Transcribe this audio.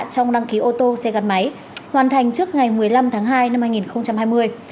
trong đăng ký ô tô xe gắn máy hoàn thành trước ngày một mươi năm tháng hai năm hai nghìn hai mươi